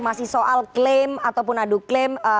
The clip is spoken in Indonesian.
masih soal klaim ataupun adu klaim